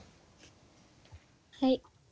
はい。